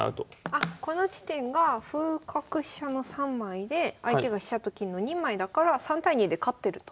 あこの地点が歩角飛車の３枚で相手が飛車と金の２枚だから３対２で勝ってると。